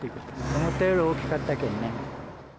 思ったより大きかったけんね。